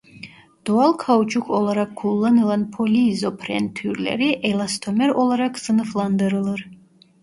Doğal kauçuk olarak kullanılan poliizopren türleri elastomer olarak sınıflandırılır.